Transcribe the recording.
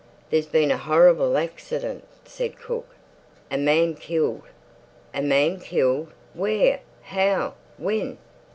"There's been a horrible accident," said Cook. "A man killed." "A man killed! Where? How? When?"